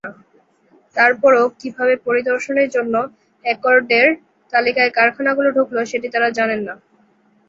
তারপরও কীভাবে পরিদর্শনের জন্য অ্যাকর্ডের তালিকায় কারখানাগুলো ঢুকল, সেটি তাঁরা জানেন না।